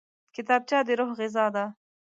کتابچه د روح غذا ده